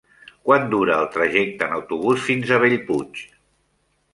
Quant dura el trajecte en autobús fins a Bellpuig?